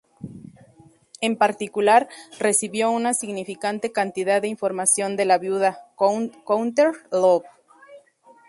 En particular, recibió una significante cantidad de información de la viuda, Courtney Love.